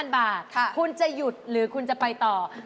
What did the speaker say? ๓๕๐๐๐บาทคุณจะหยุดหรือคุณจะไปต่อค่ะ